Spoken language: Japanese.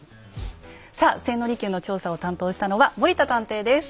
さあ千利休の調査を担当したのは森田探偵です。